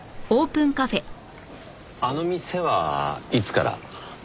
あの店はいつから？